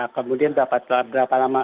kemudian berapa lama